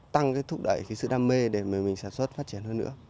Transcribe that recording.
tăng thúc đẩy sự đam mê để mình sản xuất phát triển hơn nữa